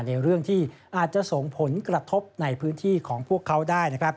ในเรื่องที่อาจจะส่งผลกระทบในพื้นที่ของพวกเขาได้นะครับ